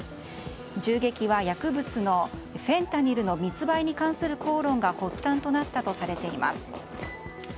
銃撃は薬物のフェンタニルの密売に関する口論が発端となったとされています。